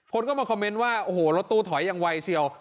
คนก็มาคอมเมนต์ว่าโอ้โหรถตู้ถอยอย่างไวเชียว